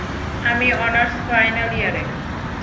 আমি honours final ইয়ারে।